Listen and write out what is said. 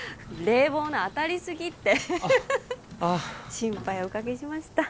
冷房のあたりすぎってああ心配おかけしました